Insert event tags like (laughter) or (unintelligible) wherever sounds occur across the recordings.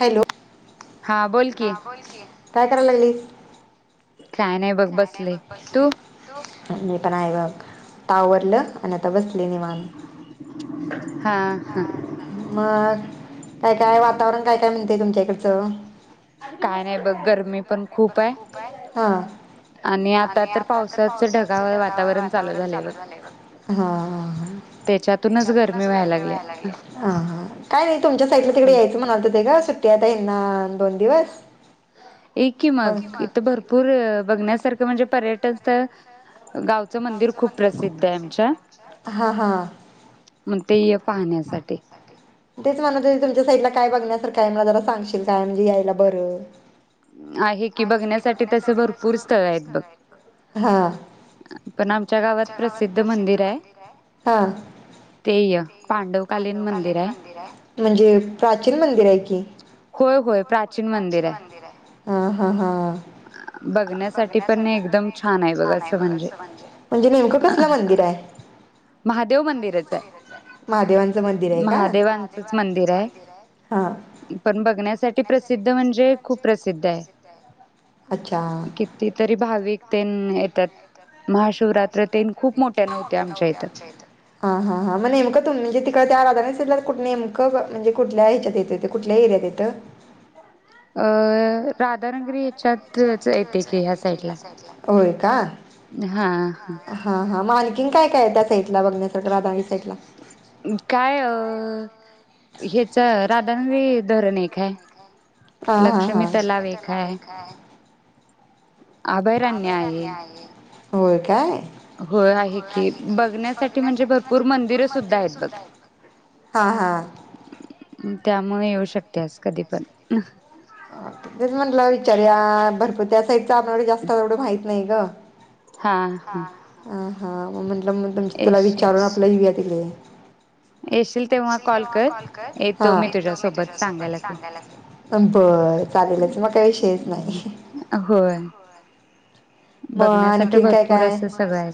Hello हां बोल हा बोल की, काय कराय लागली काय नाय बघ बसलय. तू मी पण हाय बघ, आता आवरलं आणि आता बसले निवांत. हा ह मग काय काय वातावरण काय काय म्हणतय तुमच्याइकडचं काय नाय बघ, गरमी पण खूप आय. आणि आता तर पावसाच ढगावळ वातावरण चालू झालंय बघ. त्याच्यातूनच गरमी व्हाय लागलीय. हा ह काय नाय, तुमच्या साईडला तिकडे यायचं म्हणालत ते ग सुट्टी ये त्येना दोन दिवस ये की मग इथं भरपूर बघण्यासारखं म्हणजे पर्यट. केलत. गावचं मंदिर खूप प्रसिद्ध ये आमच्या मंग ते य पाहण्यासाठी तेच म्हणत होते. तुमच्या साईडला काय बघण्यासारखं हाय. मला जरा सांगशील काय म्हणजे यायला बरं. आहे की, बघण्यासाठी तस भरपूर स्थळ आहेत बघ. पण आमच्या गावात प्रसिद्ध मंदिर आय. ते य पांडवकालीन मंदिर आय. म्हणजे प्राचीन मंदिर आय की होय होय. प्राचीन मंदिर हाय. हा हा हा. (inaudible) बघण्यासाठी पण एकदम छान हाय बघ अस म्हणजे अ महादेव मंदिरच आय. महादेवांचंच मंदिर ये. पण बघण्यासाठी प्रसिद्ध म्हणजे खूप प्रसिद्ध आय. अच्छा ति तरी भाविक तेन येत्यात महाशी महाशिव रात्रं तेनं खूप मोठ्ठयानं होते आमच्या इथं, हा हा हा मं नेमक तुम म्हणजे तिकड त्या (unintelligible) कुठ नेमक म्हणजे कुठल्या ह्याच्यात येतय ते कुठल्या एरियात येत? अ राधारंगरी याच्यात (unintelligible) होय का हां हं हं मग आणखीन काय काय त्या साईडला बघण्या (unintelligible) काय अं हेच राधारनवी धरण हाय काय लक्ष्मी तलावे काय अभयारण्य आहे होय काय होय आहे की बघण्यासाठी म्हणजे भरपुर मंदिर सुद्धा आहेत हां हां त्यामुळे येऊ शकते अस कधी पण तेच म्हटल विचारुया भरपुर त्या साईडच आपल्याला जास्त तेवढ माहित नाही ग हां म म्हटल मग तुला विचारून आपल येऊया तिकडे- येशील तेव्हा कॉल कर हं येतो मी तुझ्यासोबत सांगायला संप चालेलच मग काय विषयच नाही होय बघण्यासाठी भरपुर अस सगळ हाय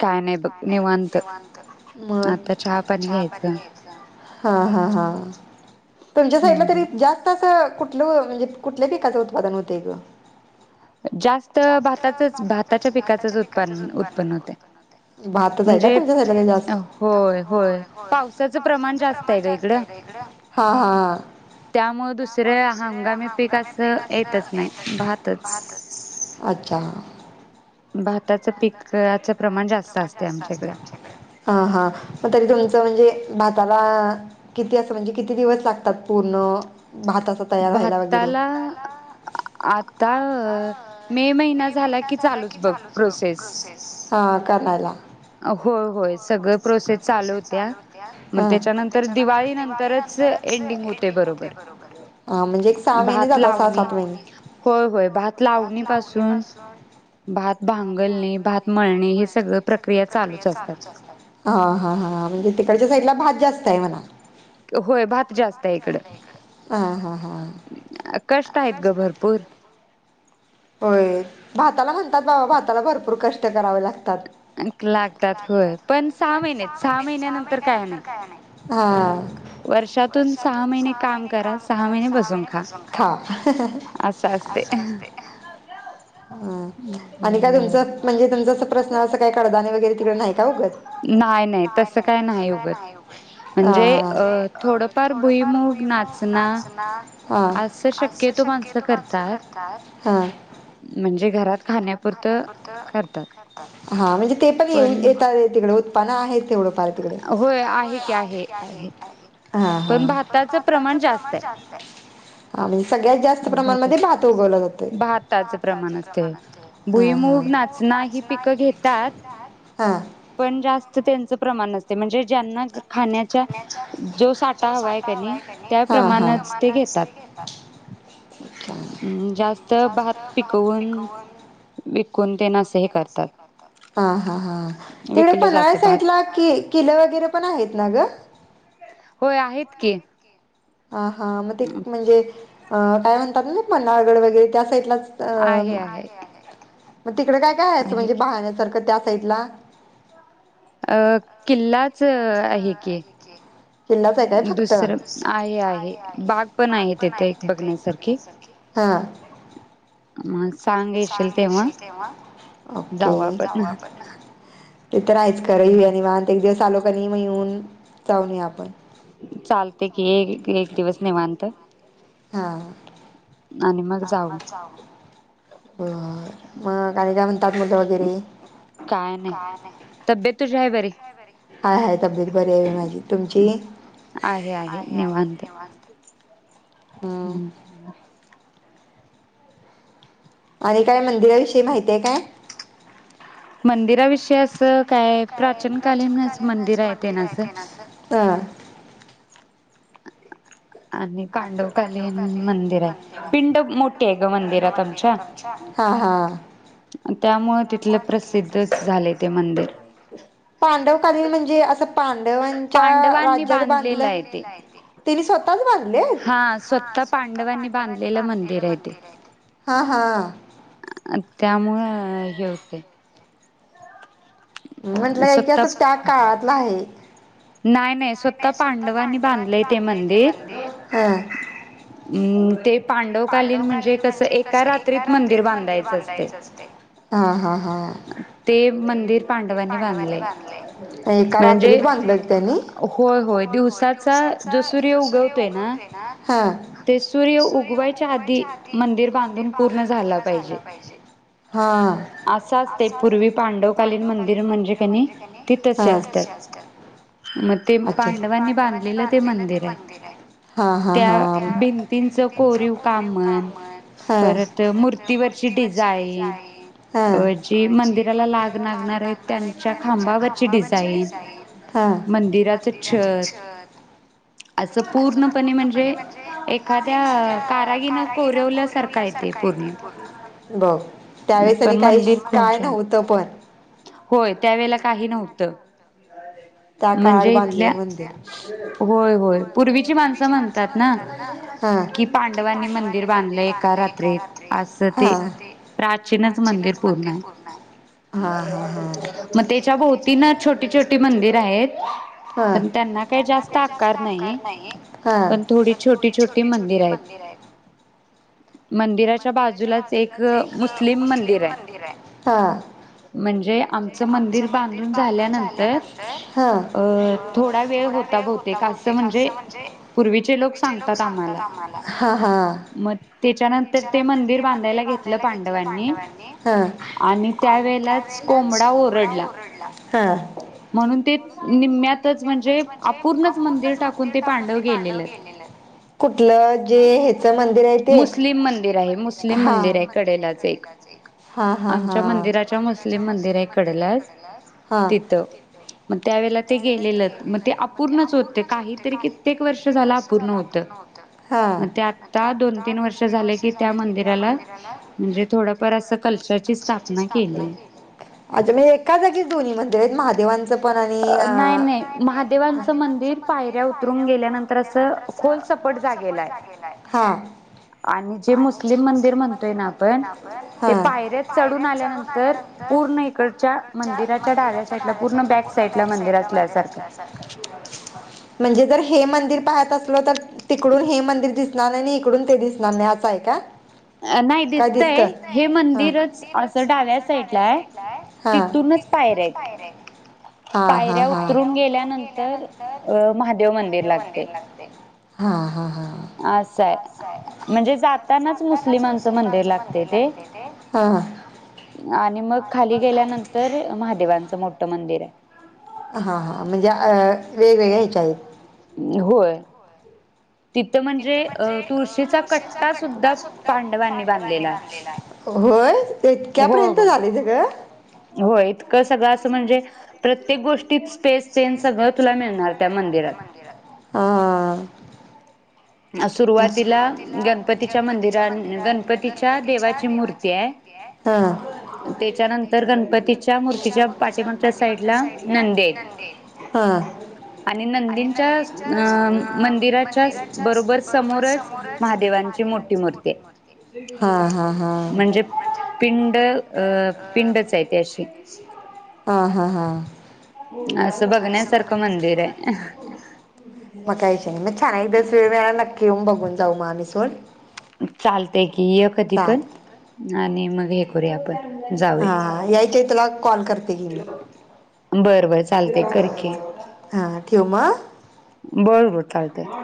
काय नाही काय नाही बघ निवांत मग आता चहा पाणी घ्याय हां हां हां तुमच्या साइडला तरी जा अस कुठल म्हणजे कुठल्या पिकाच उत्पादन होतेय ग जास्त भाताचच भाताच्या पिकाचच उत्पन्न उत्पन्न होतय म्हणजे होय होय पावसाच प्रमाण जास्त आहे का इकड हां हां हा त्यामुळे दुसरे हंगामी पीकाच येतच नाही भातच अच्छा भाताच पीकाच प्रमाण जास्त असते आमच्या इकडे हां हां मग तरी तुमच म्हणजे भाताला किती अस म्हणजे किती दिवस लागतात पुर्ण भाताच- भाताला आता मे महिन्यात झाला की चालुच बघ प्रोसेस हां करायला होय होय सगळ प्रोसेस चालु होत्या हं मग त्याच्यानंतर दिवाळी नंतरच म्हणजे एक सहा महिने जातात सहा सात महिने होय होय भात लावणी पासुन भात भांगलणे भात मळणे हे सगळ प्रक्रिया प्रकिया चालुच असतात हं हं म्हणजे तिकडच्या साईड ला भात जास्त आहे म्हणा व्हय भात जास्त आहे इकडे हां हां कष्ट आहेत ग भरपुर होय भाताला म्हणतात बाबा भाताला भरपुर कष्ट करावे लागतात लागतात होय पण सहा महिन्यात सहा महिन्यानंतर काय नाही हां वर्षातुन सहा महिने काम करा सहा महिने बसुन खावा हं हं साचते हं आणि काय तुमच म्हणजे तुमच पर्सनल अस काही कडधान्ये वगैरे तिकड नाही का उगवत नाही नाही तस काय नाही उगत म्हणजे अं थोडंफार भुईमुग नाचना नां असं शक्यतो माणसं करतात. हां. म्हणजे घरात खाण्यापुरतं करतात. हा म्हणजे ते पण येेत तिकडे, उत्पन्न आहे थोड-फार. होय आहे की आहे. हा. पण भाताच प्रमाण जास्त आहे. हा म्हणजे सगळ्यात जास्त प्रमाणमध्ये भात उगवला जातोय. भाताच प्रमाण जास्तय. भुईमूग, नाचणं हि पिके घेतात. पण जास्त त्यांच प्रमाण नसतयं, म्हणजे ज्यांना खाण्याचा जो साठा हवा आहे कनी, त्या प्रमाणच ते घेतात. हम् जास्त भात पिकवून पिकवून तेन अस हे करतात. हा- हा तिकड पन्हाळ्या साइडला कि किलं वगैरे पण आहेत ना ग. हो आहेत की. ह हा मग ते म्हणजे अ काय म्हणतात ना, पन्हाळगड वगैरे त्या साईडलाच. अ आहे आहे. मग तिकडे काय काय आहे, असं म्हणजे पाहण्यासारखं त्या साईडला. अ किल्लाच आहे की. किल्लाच हाय काय फक्त. दुसरं आहे आहे बाग पण आहे तिथे एक बघण्यासारखी. हां. मग सांग. सांग येशील तेव्हा. ओके. जाऊ आपण. ते तर आहेच खरं. निवांत एक दिवस आलो कणी, मग येऊन जाऊन येऊया आपण. चालतय कि, ये एक दिवस निवांत. हां आणि मग जावू. बरं, मग आणि काय म्हणतात मुलं वगैरे. काय नाही तब्येत बरी हाय तुझी, हाय-हाय तबेत बरी आहे माझी, तुमची. आहे आहे निवांत. ह. आणि काय मंदिराविषयी माहिती आहे काय. मंदिराविषयी अस काय, प्राचीन कालीनच मंदिर आहे तेन असं. आणि पांडव कालीन मंदिर आहे. पिंड मोठी आहे ग मंदिरात आमच्या. हां-हां. आणि त्यामुळं तिथल प्रसिद्धच झालय ते मंदिर. पांडव कालीन म्हणजे असं पांड पांडवांच्या राज्यात बांधलं, बांधलेल आहे ते. त्यांनी स्वतःच बांधल हा स्वतः पांडवांनी बांधलेलं मंदिर आहे ते. आणि त्यामुळं हे होतयं. म्हंटलं इतिहासच त्या काळातलं आहे. नाही नाही, स्वतः पांडवांनी बांधलेय ते मंदिर. हं ते पांडवकालीन म्हणजे कसं, एका रात्रीत मंदिर बांधायचं असतय. ते मंदिर पांडवांनी बांधलय. म्हणजे त्यांनी. होय- होय. दिवसाचा जो सूर्य उगवतोय ना, ते सूर्य उगवायच्या आधी मंदिर बांधून पूर्ण झाला पाहिजे. हां. असं असते पूर्वी पांडवकालीन मंदिर म्हणजे कसे असतात. अच्छा! पांडवांनी बांधलेलं ते मंदिर हाय. हा. भिंतींच गोरीव काम म्हण परत मूर्तीवरची डिझाइन. ह. जी मंदिराला लाग लागणार आहे त्यांच्या खांबावरची डिजाईन. हा. मंदिराचं छत. ह. असं पूर्णपणे म्हणजे एखाद्या कारागीनं कोरवल्यासारखा आहे. बघ त्यावेळेस आणि काही काय नव्हत पण. होय, त्यावेळेला काही नव्हतं. (unintelligible) त्या काळात बांधलेले मंदिर. होय होय. पूर्वीची माणसं म्हणतात ना की पांडवांनी मंदिर बांधलेय. हा. प्राचीनच मंदिर पूर्ण आहे. मग त्याच्या भोवतीन छोटी छोटी मंदिर आहेत. पण त्यांना काही जास्त आकार नाही. पण थोडी छोटी छोटी मंदिर आहेत. (inaudible) मंदिराच्या बाजूलाच एक मुस्लिम मंदिर आहे. म्हणजे आमचं मंदिर बांधून झाल्यानंतर अ ह. थोडा वेळ होता बहुतेक असं म्हणजे पूर्वीचे लोक सांगतात आम्हाला. हा हा. मग त्याच्यानंतर ते मंदिर बांधायला घेतलं पांडवांनी. ह. आणि त्यावेेळेलाच कोबडा ओरडला. ह. म्हणून ते निम्म्यातच म्हणजे अपूर्णच मंदिर टाकून ते पांडव गेलेल. मुस्लिम मंदिर आहे. मुस्लिम मंदिर आहे. कडेलाच एक. आमच्या मंदिराच्या मुस्लिम मंदिर आहेकडलाच तिथ. त्यावेेला ते गेलेलं मग ते अपूर्णच होते काहीतरी कित्येक वर्ष झालं अपूर्ण होत. मग ते आता दोन-तीन वर्ष झाले की त्या मंदिराला म्हणजे थोडं परत कळसाची स्थापना केली. अच्छा! म्हणज एका जागीच दोन्ही मंदिर आहेत महादेवांचं पण आणि. नाही महादेवांचं मंदिर पायऱ्या उतरून गेल्यानंतर खोल सकट जागेला आहे. ह. आणि जे मुस्लिम मंदिर म्हणतोय ना आपण ते पायऱ्यात चढून आल्यानंतर पूर्ण ड मंदिराच्या डाव्या साईड ला पूर्ण बॅक साईड ला मंदिर असल्यासारखं. म्हणजे जर हे मंदिर पाहत असल तर तिकडून हे मंदिर दिस दिसणार नाही इकडून ते दिसनार नाही असं आहे का? नाही दिसतय. हे मंदिरच असं डाव्या साईडला आहे. तिथूनच पायऱ्या आहेत. पायऱ्या उतरून गेल्यानंतर अ महादेव मंदिर लागते. हा हा हा. असंय. म्हणजे जातानाच मुस्लिमांचं मंदिर लागते ते. आणि मग खाली गेल्यानंतर महादेवांचं मोठं मंदिर. हा हा म्हणजे वेगवेगळ्या ह्याच्यात. होय. तिथं म्हणजे, अ तुळशीचा कट्टा सुद्धा, पांडवांनी बांधलेला य. होय, ते ईतक्या पर्यंत झालं सगळं? होय, इतकं सगळं असं म्हणजे, प्रत्येक गोष्टीत (unintelligible) सगळं तुला मिळणार, त्या मंदिरात, हं हं. सुरुवातीला, गणपतीच्या मंदिर आल, गणपतीच्या देवाची मूर्ती हाय हं हं, त्याच्यानंतर गणपतीच्या, मूर्तीच्या, पाठीमागच्या साईड ला, नंदीये. हं हं. आणि नंदीनच्याच, अं मंदिराच्याच, बरोबर समोरच महादेवांची, मोठी मूर्ती ये, म्हणजे पिंड, अं पिंडच ये, ति अशी अं हं ह. असं बघण्यासारखं, मंदिर ये. मग काहीचं नही, मग छान एकदास वेळ मीळाला की, नक्की येऊन बघून जाऊ, म आम्ही. चालतय की, यखादी पण, आणि मग हे करूया आपण. हा हा, यायचे तुला, कॉल करते की, मी. बर, हं ठ्यू मं? बर बर, चालतंय.